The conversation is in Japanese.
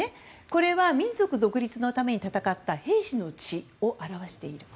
これは民族独立のために戦った兵士の血を表している。